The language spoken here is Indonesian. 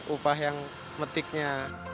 upah yang metiknya